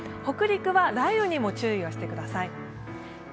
北陸は雷雨にも注意をしてください。